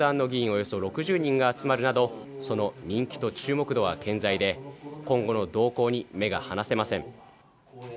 およそ６０人が集まるなど、その人気と注目度は健在で今後の動向に目が離せません。